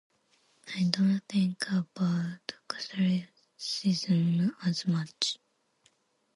I don't think about Catholicism as much.